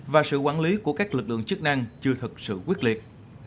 và sự quản lý của các lực lượng chức năng chưa thật sự quyết liệt